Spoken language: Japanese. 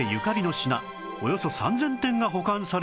およそ３０００点が保管される倉庫